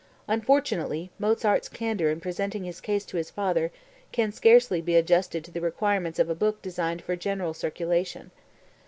Unfortunately Mozart's candor in presenting his case to his father can scarcely be adjusted to the requirements of a book designed for general circulation.